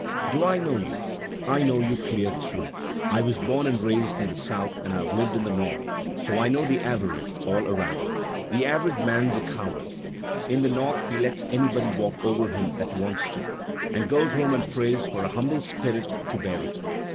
"*Do I know you? I know you clear through. I was bom and raised in the South, and I've lived in the North; so I know the average all around. The average man's a cow ard. In the North he lets anybody walk over him that wants to, and goes home and prays for a humble spirit to bear it.